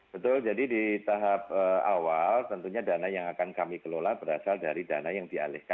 betul jadi di tahap awal tentunya dana yang akan kami kelola berasal dari dana yang dialihkan